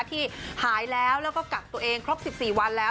ที่หายแล้วแล้วก็กักตัวเองครบ๑๔วันแล้ว